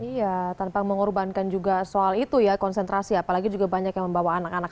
iya tanpa mengorbankan juga soal itu ya konsentrasi apalagi juga banyak yang membawa anak anak